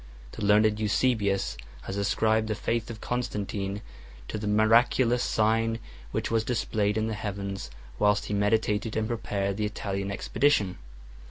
2 The learned Eusebius has ascribed the faith of Constantine to the miraculous sign which was displayed in the heavens whilst he meditated and prepared the Italian expedition.